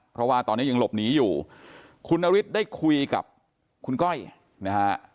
เพราะว่าตอนนี้ยังหลบหนีอยู่คุณนฤทธิ์ได้คุยกับคุณก้อยนะฮะ